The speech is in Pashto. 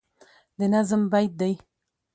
د نظم بیت دی